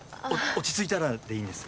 落ち着いたらでいいんです